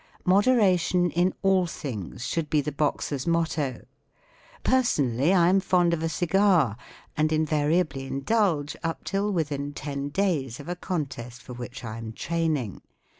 Modera¬ tion in all things should be the boxer's motto* Personally, I am fond of a cigar, and invariably indulge up till within ten days' of a contest for which I am training.